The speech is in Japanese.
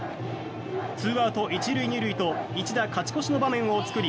２アウト１塁２塁と一打勝ち越しの場面を作り